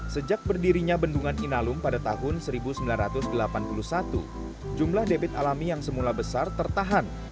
sejak berdirinya bendungan inalum pada tahun seribu sembilan ratus delapan puluh satu jumlah debit alami yang semula besar tertahan